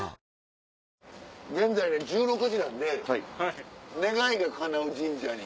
現在１６時なんで願いがかなう神社に。